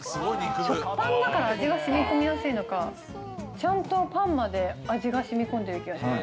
食パンだから味がしみこみやすいのか、ちゃんとパンまで味がしみこんでいる気がします。